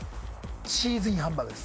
チーズＩＮハンバーグです